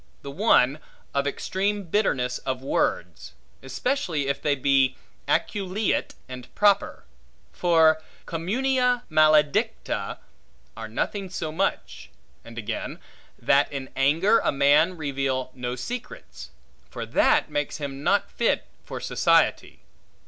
The one, of extreme bitterness of words, especially if they be aculeate and proper; for cummunia maledicta are nothing so much; and again, that in anger a man reveal no secrets; for that, makes him not fit for society.